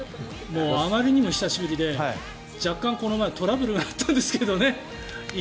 あまりにも久しぶりで若干この前トラブルがあったんですけどね。